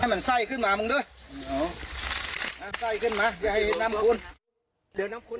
ให้มันไสขึ้นมามึงด้วยไสขึ้นมาจะให้น้ำคุณ